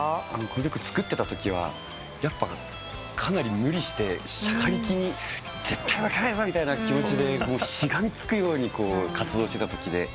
この曲作ってたときはかなり無理してしゃかりきに絶対負けねえぞみたいな気持ちでしがみつくように活動してたときで。